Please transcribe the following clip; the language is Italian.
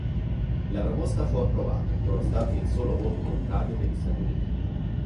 La proposta fu approvata, nonostante il solo voto contrario degli Stati Uniti.